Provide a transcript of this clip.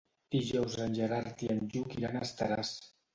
Dijous en Gerard i en Lluc iran a Estaràs.